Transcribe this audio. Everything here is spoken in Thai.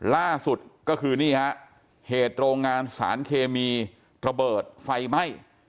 ล่าสุดก็คือนี่ฮะเหตุโรงงานสารเคมีระเบิดไฟไหม้